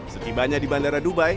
setibanya di bandara dubai